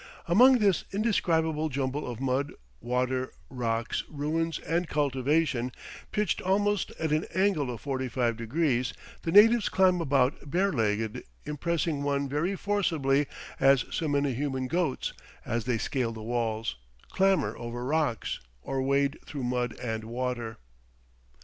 Among this indescribable jumble of mud, water, rocks, ruins, and cultivation, pitched almost at an angle of forty five degrees, the natives climb about bare legged, impressing one very forcibly as so many human goats as they scale the walls, clamber over rocks, or wade through mud and water.